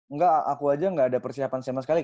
enggak aku aja gak ada persiapan sama sekali